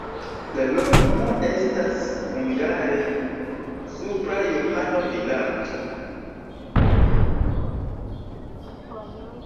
La loknomo estas hungare: supra-Johano-vilaĝo.